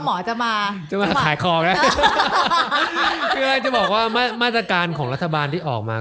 หมอจะมาจะมาขายของนะคืออะไรจะบอกว่ามาตรการของรัฐบาลที่ออกมา